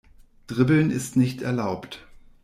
Dribbeln ist nicht erlaubt.